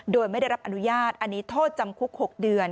โดยไม่ได้รับอนุญาตอันนี้โทษจำคุก๖เดือน